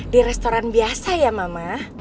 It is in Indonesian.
di restoran biasa ya mama